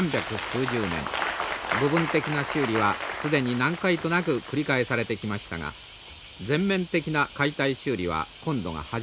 部分的な修理は既に何回となく繰り返されてきましたが全面的な解体修理は今度が初めて。